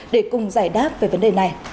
để cùng giải đáp về vấn đề này